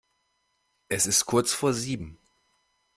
Es ist kurz vor sieben.